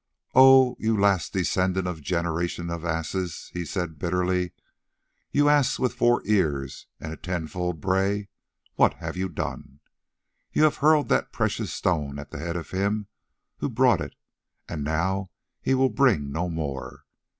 "Oh, you last descendant of generations of asses!" he said bitterly. "You ass with four ears and a tenfold bray! What have you done? You have hurled the precious stone at the head of him who brought it, and now he will bring no more.